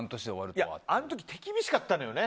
あの時手厳しかったんだよね。